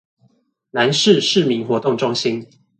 南勢市民活動中心